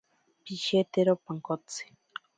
Pishetero pankotsi.